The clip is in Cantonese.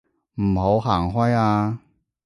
唔好行開啊